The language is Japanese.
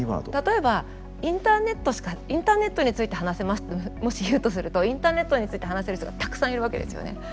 例えばインターネットについて話せますってもし言うとするとインターネットについて話せる人がたくさんいるわけですよね。